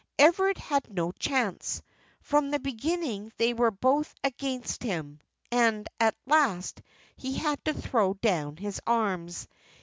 Everard had no chance; from the beginning they were both against him, and at last he had to throw down his arms.